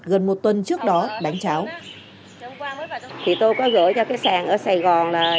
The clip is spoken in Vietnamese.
gần một tuần trước đó đánh cháo